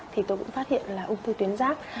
thì tôi cũng phát hiện là ung thư tuyến giáp